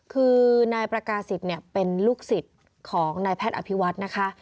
คือนายประกาศิษย์เป็นลูกศิษย์ของนายแพทย์อภิวัฒน์นะคะ